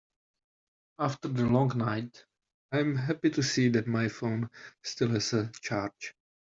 After the long night, I am happy to see that my phone still has a charge.